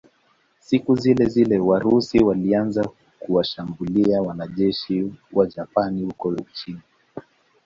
Siku zilezile Warusi walianza kuwashambulia wanajeshi Wajapani huko Uchina